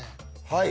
はい。